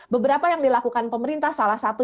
beberapa yang dilakukan pemerintah salah satu